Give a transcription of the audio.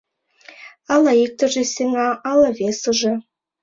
Ала иктыже сеҥа, ала весыже...